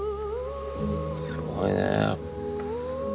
すごいね。